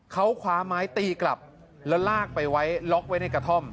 เขาคว้าไม้ตีกลับแล้วลากไปไว้ล็อกไว้ในกระท่อม